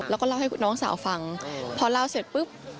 แล้วก็เล่าให้น้องสาวฟังพอเล่าเสร็จปุ๊บ